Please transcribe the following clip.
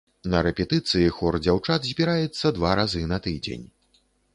На рэпетыцыі хор дзяўчат збіраецца два разы на тыдзень.